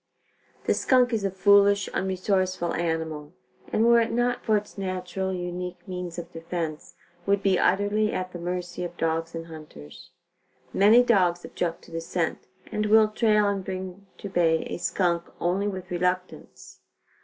The skunk is a foolish, unresourceful animal and were it not for its natural, unique means of defense, would be utterly at the mercy of dogs and hunters. Many dogs object to the scent and will trail and bring to bay a skunk only with reluctance.